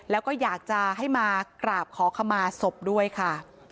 แล้วก็อยากจะให้มากราบขอขมาศพด้วยค่ะ